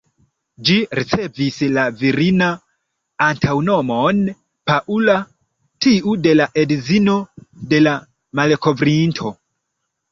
Ĝi ricevis la virina antaŭnomon ""Paula"", tiu de la edzino de la malkovrinto.